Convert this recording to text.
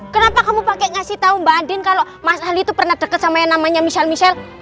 kenapa kamu pake ngasih tau mbak andien kalo mas sal itu pernah deket sama yang namanya michelle